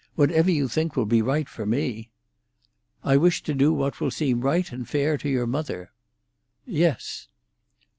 Whatever you think will be right—for me." "I wish to do what will seem right and fair to your mother." "Yes."